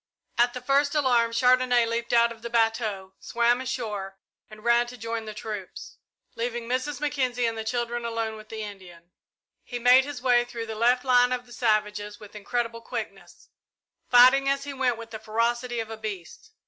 At the first alarm, Chandonnais leaped out of the bateau, swam ashore and ran to join the troops, leaving Mrs. Mackenzie and the children alone with the Indian. He made his way through the left line of the savages with incredible quickness, fighting as he went with the ferocity of a beast.